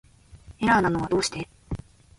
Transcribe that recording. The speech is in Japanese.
エラーなのはどうして